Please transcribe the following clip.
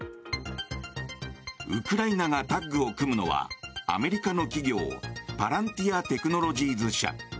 ウクライナがタッグを組むのはアメリカの企業パランティア・テクノロジーズ社。